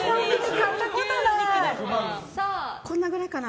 こんなぐらいかな。